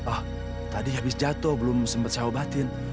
ah tadi habis jatuh belum sempat saya obatin